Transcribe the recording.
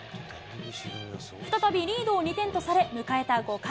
再びリードを２点とされ、迎えた５回。